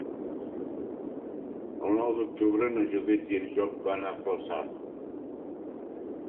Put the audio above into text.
El nou d'octubre na Judit i en Llop van a Flaçà.